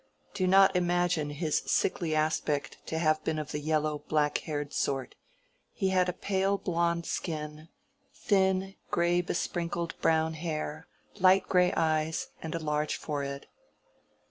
Do not imagine his sickly aspect to have been of the yellow, black haired sort: he had a pale blond skin, thin gray besprinkled brown hair, light gray eyes, and a large forehead.